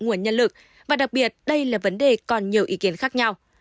nguồn nhân lực và đặc biệt đây là vấn đề còn nhiều ý kiến khác nhau